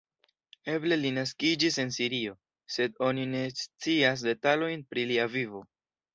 Eble li naskiĝis en Sirio, sed oni ne scias detalojn pri lia vivo.